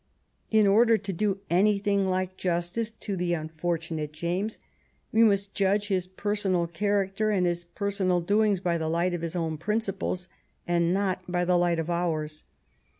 In order to do anything like justice to the unfortunate James, we must judge his personal character and his personal doings by the light of his own principles and not by the light of ours.